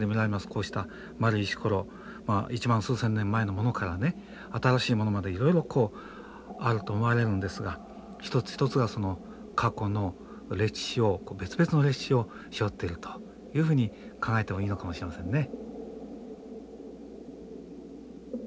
こうした丸い石ころ１万数千年前のものから新しいものまでいろいろあると思われるんですが一つ一つが過去の歴史を別々の歴史をしょってるというふうに考えてもいいのかもしれませんね。